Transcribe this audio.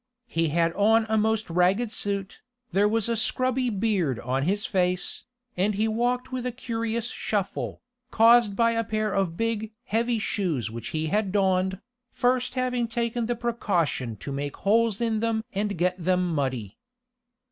He had on a most ragged suit, there was a scrubby beard on his face, and he walked with a curious shuffle, caused by a pair of big, heavy shoes which he had donned, first having taken the precaution to make holes in them and get them muddy.